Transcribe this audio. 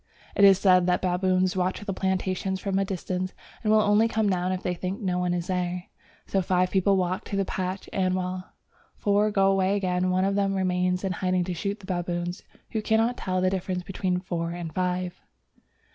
It is said that the baboons watch the plantations from a distance, and will only come down if they think no one is there: so five people walk to the patch, and while four go away again, one of them remains in hiding to shoot the baboons, who cannot tell the difference between four and five.